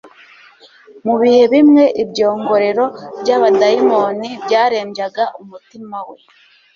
Mu bihe bimwe ibyongorero by' abadayimoni byarembyaga umutima we,